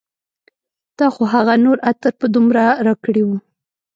تا خو هغه نور عطر په دومره راکړي و